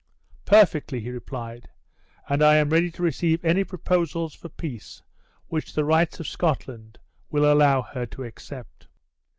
"Perfectly," he replied, "and I am ready to receive any proposals for peace which the rights of Scotland will allow her to accept."